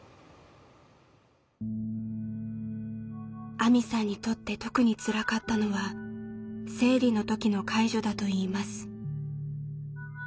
あみさんにとって特につらかったのは生理の時の介助だといいます。